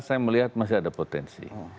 saya melihat masih ada potensi